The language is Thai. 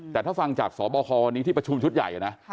แต่ถ้าฟังจากสบควันนี้ที่ประชุมชุดใหญ่นะ